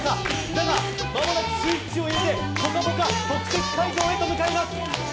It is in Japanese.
だが、まもなくスイッチを入れて「ぽかぽか」特設会場へと向かいます。